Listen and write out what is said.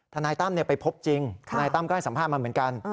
นายตั้มไปพบจริงทนายตั้มก็ให้สัมภาษณ์มาเหมือนกัน